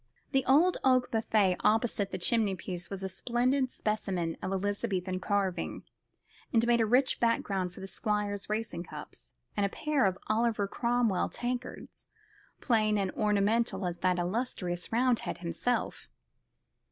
The old oak buffet opposite the chimney piece was a splendid specimen of Elizabethan carving, and made a rich background for the Squire's racing cups, and a pair of Oliver Cromwell tankards, plain and unornamental as that illustrious Roundhead himself.